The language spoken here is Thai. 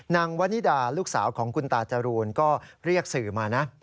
นางวันนิดาลูกสาวของคุณตาจรูนก็เรียกสื่อมานะ